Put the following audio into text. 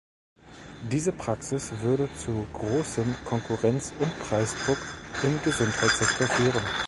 Diese Praxis würde zu großem Konkurrenz- und Preisdruck im Gesundheitssektor führen.